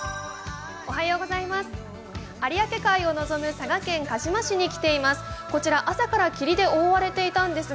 有明海を臨む佐賀県鹿島市に来ています。